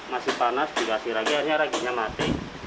masih panas dikasih ragi akhirnya raginya mati